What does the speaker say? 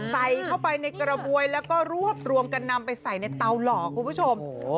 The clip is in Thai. ใส่เข้าไปในกระบวยแล้วก็รวบรวมกันนำไปใส่ในเตาหล่อคุณผู้ชม